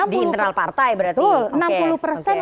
di internal partai berarti